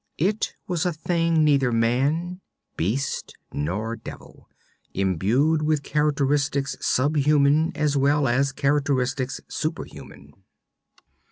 It was a thing neither man, beast, nor devil, imbued with characteristics subhuman as well as characteristics superhuman.